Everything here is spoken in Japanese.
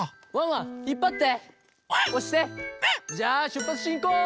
ワン！じゃあしゅっぱつしんこう！